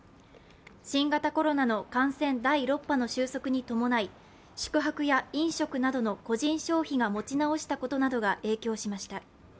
新型コロナの感染第６波の収束に伴い宿泊や飲食などの個人消費が持ち直したことなどが影響しました。